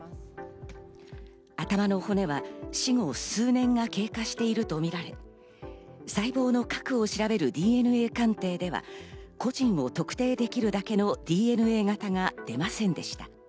頭の骨は死後数年が経過しているとみられ、細胞の核を調べるＤＮＡ鑑定では、個人を特定できるだけのＤＮＡ型が出ませんでした。